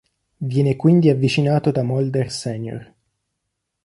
Viene quindi avvicinato da Mulder Sr.